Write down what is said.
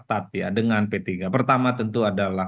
jadi posisi p tiga kan termasuk masalah itu adalah